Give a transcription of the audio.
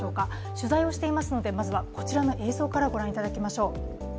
取材をしていますので、まずはこちらの映像からご覧いただきましょう。